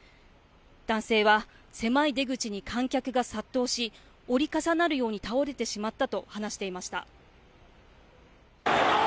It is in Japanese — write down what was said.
男性は狭い出口に観客が殺到し折り重なるように倒れてしまったと話していました。